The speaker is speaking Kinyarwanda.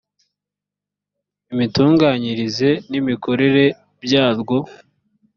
imitunganyirize n imikorere byarwo